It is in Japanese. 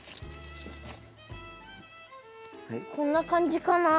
こんな感じかな？